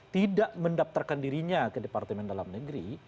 tidak mendaftarkan dirinya ke departemen dalam negeri